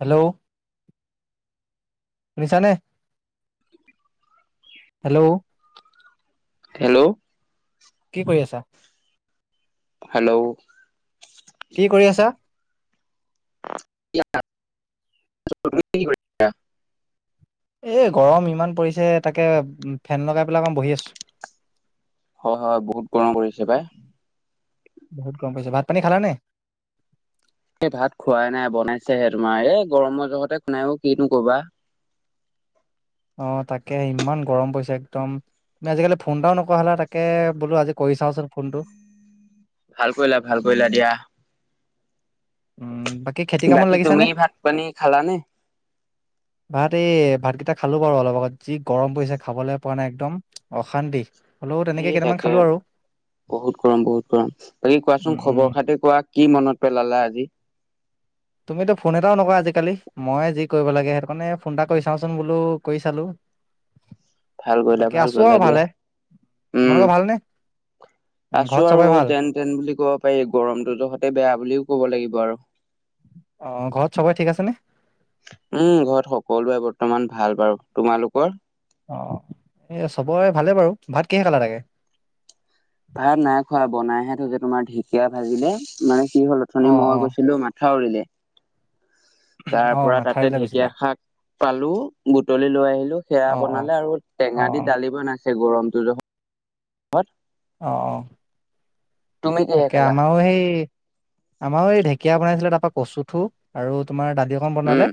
Hello. শুনিছানে hello. Hello. কি কৰি আছা? হেল্ল'। কি কৰি আছা? [unintelligible] এ, গৰম ইমান পৰিছে তাকে ফেন লগাই পেলাই অকমান বহি আছো। হয়, হয় বহুত গৰম পৰিছে পাই। বহুত গম পাইছে ভাত পানী খালা নে? এই ভাত খোৱাই নাই বনাইছেহে তোমাৰ এই গৰমৰ জগতে খুনাই কিনো কবা। [unintelligible] তাকে ইমান গৰম পৰিছছে একদম তুমি আজিকালি ফোন এটাও নকোৱা হ'লে তাকে বোলো আজিকালি ভাল কৰিলা ভাল কৰিলা দিয়া উম। খেতি কামত বাকী লাগিছানে? তুমি ভাত পানী খালানে? ভাত এই ভাতকেইটা খালো বাৰু অলপ আগত, যি গৰম পৰিছে খাবলৈ পোৱা নাই একদম অশান্তি। হলেও তেনেকে এই কেইটামান তাকে খালো আৰু বহুত গৰম বহুত গৰম বাকী উম কোৱাচোন উম। খবৰ খাতি কোৱা কি মনত পেলালা আজি [inaudible] তুমিতো ফোন এটাও নকোৱা আজিকালি মই যি কৰিব লাগে সেইটো কাৰণে ফোন এটা কৰি চাওঁচোন বোলো কৰি চালো ভাল কৰিলা বাকী ভাল আছো কৰিলা আৰু দিয়া ভালে উম তোমালোকৰ ভালনে ঘৰত আছো চবৰে আৰু ভাল? যেন তেন বুলি ক'ব পাৰি গৰমটো তহতে বেয়া বুলিও ক'ব লাগিব আৰু অ ঘৰত সবে ঠিক আছে নে উম ঘৰত সকলোৱে বৰ্তমান ভাল বাৰু তোমালোকৰ অ এ চবৰে ভালে বাৰু ভাত কেহে খালা লাগে ভাত নাই খোৱা বনাইহে থগে তোমাৰ ঢেকিয়ীয়া ভাজিলে মানে কি হ'ল অথনি অ', মই অ', গৈছিলো মা থাউৰিলে তাৰ অ', পৰা তাতে মাথাউৰিলৈ ঢেকীয়া গৈছিলা? শাক পালো বুটলি লৈ আহিলো সেয়া অ', অ', বনালে আৰু অ', টেঙা দি অ', দালিব নাছিল গৰমটো জহ অঁ অঁ তুমি কিহে তাকে খালা আমাৰো সেই আমাৰো এই ঢেকীয়া বনাইছিলে ত পৰা কচু থো আৰু তোমাৰ দাদি অকন উম বনালে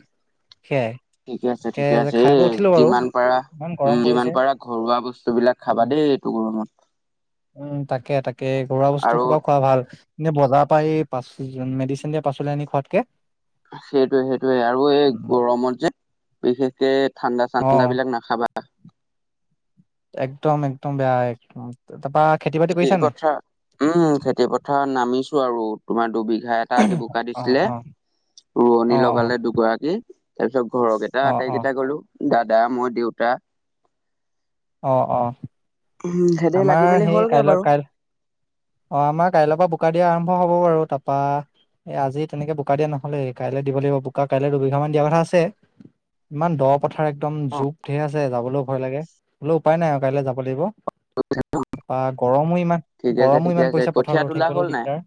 সেয়াই। ঠিকে আছে তাকে ঠিকে আছে খাই এ বৈ উঠিলো বাৰু। যিমান পাৰা ইমান উ গৰম পৰিছে। যিমান পাৰা ঘৰুৱা বস্তু বিলাক খাবা উম, দেই। টো গৰমত। উম তাকে তাকে ঘৰুৱা বস্তু আৰু খোবা খোৱা ভাল। এ বজাৰ পাই পা মেডিচিন দিয়া পাচলি আনি খোৱাতকে। সেইটোয়ে সেইটোয়ে আৰু এই গৰমত যে বিশেষকে ঠাণ্ডা চান্দা অ', বিলাক নাখাবা। একদম একদম বেয়া একদম তাৰপা খেতি বাতি কৰিছা [unintelligible] নাই? কথা উম খেতি পথাৰ নামিছো আৰু তোমাৰ দুবিঘা এটা আজি বোকা অ', দিছিলে। অ'। অ ৰোৱনী লগালে অ দুগৰাকী। তাৰ পিছত ঘৰৰেইটা অ আটাইকেইটা অ গলো দাদা মই দেউতা। অ অ। উম সেতে লাগি আমাৰ মেলি সেই হ'লগে কাইল বাৰু কাই অ আমাৰ কাইলৈৰ পৰা বোকা দিয়া আৰম্ভ। অ হ'ব বাৰু তাপা এ আজি তেনেকে বোকা দিয়া নহলে কাইলৈ দিব লাগিব বোকা কাইলৈ দুবিঘা মান দিয়া কথা আছে। ইমান দ পথাৰ একদম অ জুগ ঢেৰ আছে যাবলৈও ভয় লাগে বোলে উপায় নাই আৰু কাইলৈ যাব লাগিব। তাৰপৰা গৰমো ইমান ঠিকে আছে গৰমো ঠিকে ইমান আছে পইছে কঠীয়া পথাৰত ৰৈ তোলা হ'ল থাকিবলৈও নাই দিগদাৰ।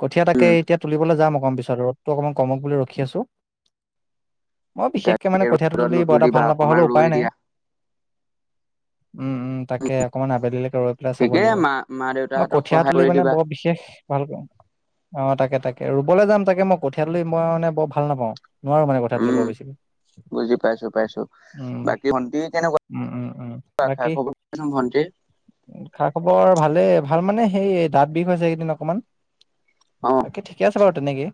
কঠীয়া তাকে উম এতিয়া তুলিবলে যাম অকমান পিছত ৰ'দটো অকণমান কমক বুলি ৰখি আছো। মই বিশেষকে তাকে মানে কঠীয়াটো ৰ'দত তুলি বৰ এটা নুতুলিবা ভাল নাপাও অকমান হলো ৰৈ উপায় নাই। দিয়া উম উম তাকে অকমান আবেলি লৈকে ৰৈ পেলাই চাব ঠিকেই লাগিব। মা মা মই দেউতাহঁতক কঠীয়া সহায় তুলি কৰি মানে দিবা বৰ বিশেষ ভাল কৰ অ তাকে তাকে। তাকে ৰুবলে যাম তাকে মই কঠিয়ালৈ মই মানে বৰ ভাল নাপাওঁ, নোৱাৰো মানে কঠিয়া তুলিব উম বেছি। বুজি পাইছো পাইছো, উম বাকী ভন্টি উ কেনেকুৱা? খা খবৰ ভন্টি খা খবৰ ভালেই। ভাল মানে সেই দাঁত বিষ হৈছে একেইদিন অকমান অ বাকে ঠিকে আছে বাৰু তেনেকে।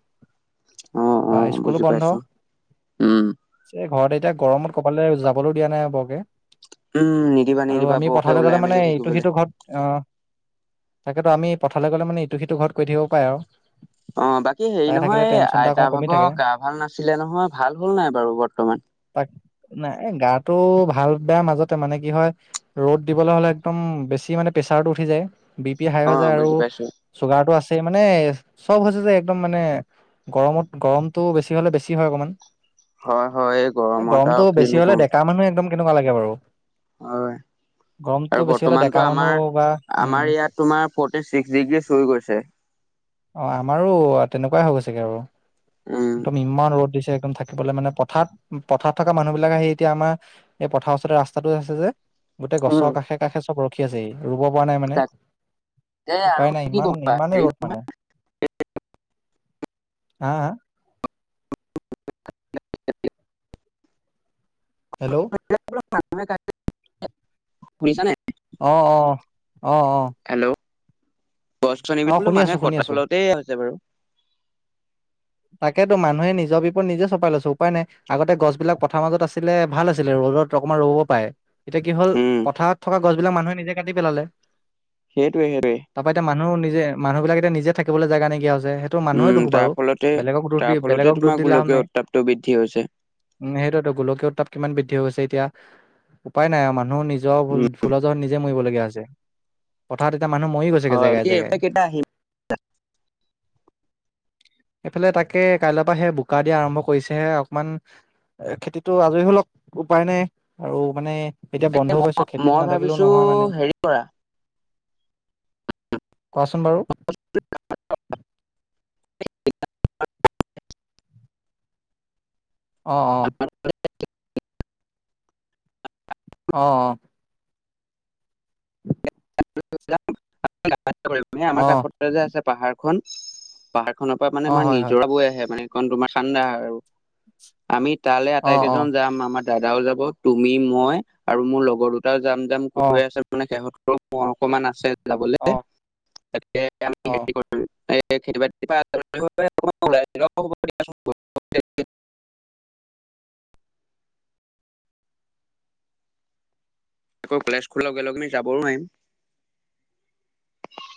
অ অ বা স্কুলো বুজি বন্ধ পাইছো উম ঘৰতে। এতিয়া গৰমত কবালে যাবলেও দিয়া নাই বৰকে। উম নিদিবা আৰু নিদিবা আমি বৰকে পথালে ওলাই গলে মেলি মানে ইটো থাকিবলৈ সিটো ঘৰত আহ তাকেতো আমি পথালে গ'লে মানে ইটো সিটো ঘৰত কৰি থাকিব পাৰে আও। অ বাকী হেৰি নহয় এই আইতা অকমান কমি থাকে ভাগৰ গা ভাল নাছিলে নহয় ভাল হল নাই বাৰু বৰ্তমান তাক নাই এ গাটো ভাল বেয়া মাজত ত মানে কি হয় ৰ'দ দিবলৈ হ'লে একদম বেছি মানে প্ৰেছাৰতটো উঠি যায়। বি পি হাই অ হৈ যায় আৰু বুজি পাইছো চুগাৰতটো আছে। মানে চব হৈছে যে একদম মানে গৰমত গৰমতটো বেছি হলে বেছি হয় অকমান। হয় হয় এই গৰমত আৰু গৰমতটো কিনো বেছি হলে কম ডেকা মানুহে একদম কেনেকুৱা লাগে বাৰু। হয় [inaudible] আৰু বেছি হলে ডেকা বৰ্তমানতো মানুহ আমাৰ বা উম আমাৰ ইয়াত তোমাৰ ফৰ্টি ছিক্স ডিগ্ৰী চুই গৈছে। অ আমাৰো তেনেকুৱাই হৈ গৈছেগে আৰু উম একদম ইমান ৰ'দ দিছে। একম থাকিবলৈ মানে পথাৰ পথাৰত থকা মানুহ বিলাকে আহি এতিয়া আমাৰ এই পথাৰৰওচৰতে ৰাস্ত ৰাস্তটো আছে যে গোটেই উম গছৰ কাষে কাষে চব ৰখি আছেহি। ৰুব পৰা নাই মানে তাকে আৰু উপায় নাই কি ইমান কবা ইমানেই হেৰি ৰ'দ মানে। হা হা? হেল্ল'। [unintelligible] শুনিচা নে? অ অ অ অ। হেল্ল' গছ গছনিব অ বোলো শুনি মানুহে আছো শুনি কটা আছো ফলতেই হৈছে বাৰু। তাকেতো মানুহে নিজৰ বিপদ নিজে চপাই লৈছো উপায় নাই। আগতে গছ বিলাক পথাৰ মাজত আছিলে ভাল আছিলে ৰ [unintelligible] অকণমান ৰব পাৰে এতিয়া কি হল উম পথাৰত থকা গছবিলাক মানুহে নিজে কাটি পেলালে। সেইটোৱে সেইটোৱে। যে মানুহ বিলাক এতিয়া নিজে থাকিবলৈ জেগা নাইকিয়া হৈছে সেইটো মানুহে উম দোষ তাৰ বাৰু ফলতে বেলেগক দোষ তাৰ দি ফলতে বেলেগক দোষ তোমাৰ দি লাভ গোলকীয় নাই উত্তাপটো বৃদ্ধি হৈছে সেইটোতো গোলকীয় তাপ কিমান বৃদ্ধি বৃদ্ধি হৈ গৈছে এতিয়া উপায় নাই আৰু মানুহৰ নিজৰ উম ভুল নিজৰ মৰিবলগীয়া হৈছে কথাত এটা মানুহ মৰি গৈছেগে হয় জেগাই কি জেগাই কেইটা আহিম এইফালে তাকে কাইলৈৰ পৰা সেই বোকা দিয়া আৰম্ভ কৰিছেহে অকমান এ খেতিটো আজৰি হৈ লওক উপায় নাই আৰু মানে এতিয়া বন্ধ মই পাইছো খেতিত মই নাথাকিলেও ভাবিছো নহয় মানে হেৰি কৰা কোৱাচোন বাৰু [unintelligible] অ অ অ অ যাম আমাৰ অ কাষত যে আছে পাহাৰ খন পাহাৰ খনৰ পৰা মানে অ অ আমাৰ হয় হয় নিজৰা বৈ আহে মানে খন তোমাৰ ঠাণ্ডা হয় আৰু আমি তালৈ অ আটাই অ কেইজন যাম আমাৰ দাদাও যাব তুমি মই আৰু মোৰ লগৰ দুটাও যাম যাম অ কৈ আছ মানে শেষত অকমান আছে যাবলে অ তাকে আমি অ ৰেদি কৰো খেতি বাতি [unintelligible] [inaudible] আকৌ কলেজ খোলা লগে যাবও নুৱাৰিম